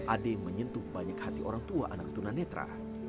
ade menyentuh banyak hati orang tua anak tunanetra